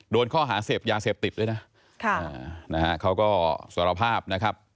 โดนข้อหาเศษยาเศษติดด้วยนะอ่าเค้าก็สรภาพนะครับ